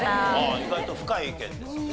意外と深い意見ですね。